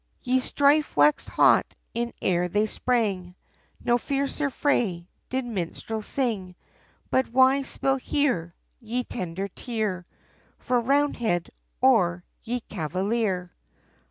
] YE strife waxed hot, in air they spring, No fiercer fray, did minstrel sing, But why spill here, Ye tender tear, For Roundhead, or ye Cavalier?